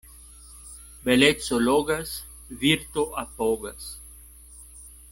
Beleco logas, virto apogas.